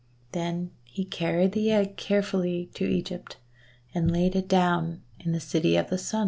Then he carried the egg carefully to Egypt, and laid it down in the City of the Sun.